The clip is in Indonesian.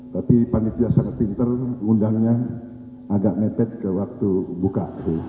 tapi panitia sangat pinter ngundangnya agak mepet ke waktu buka